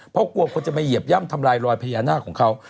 เพราะกลัวคนจะมาเหยียบย่ำทำลายรอยพญานาคของเขา